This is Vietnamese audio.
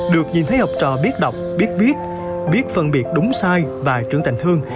được nhìn thấy học trò biết đọc biết viết biết phân biệt đúng sai và trưởng thành hương